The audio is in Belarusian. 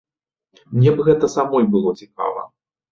Мне б гэта самой было цікава.